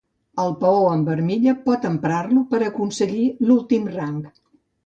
El peó amb l'armilla pot emprar-lo per aconseguir l'últim rang.